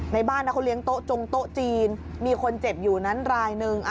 ในบ้านเขาเลี้ยโต๊ะจงโต๊ะจีนมีคนเจ็บอยู่นั้นรายหนึ่ง